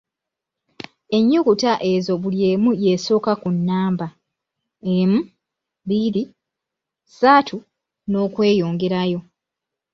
Ennyukuta ezo buli emu y’esooka ku nnamba, emu, bbiri, ssatu, n’okweyongerayo.